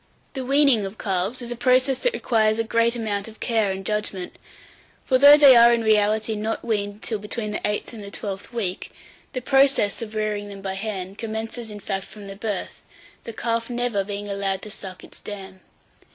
850. THE WEANING OF CALVES is a process that requires a great amount of care and judgment; for though they are in reality not weaned till between the eighth and the twelfth week, the process of rearing them by hand commences in fact from the birth, the calf never being allowed to suck its dam.